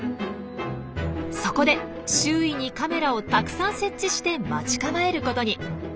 そこで周囲にカメラをたくさん設置して待ち構えることに。